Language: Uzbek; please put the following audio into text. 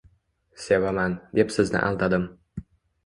Sevaman, deb sizni aldadim.